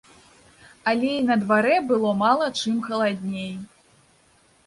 Але і на дварэ было мала чым халадней.